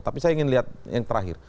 tapi saya ingin lihat yang terakhir